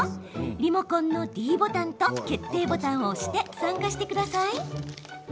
リモコンのｄボタンと決定ボタンを押して参加してください。